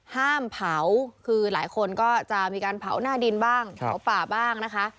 ห้ามเผาคือหลายคนก็จะมีการเผาหน้าดินบ้างเผาป่าบ้างนะคะ